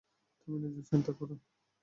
তুমি নিজের চিন্তা করো।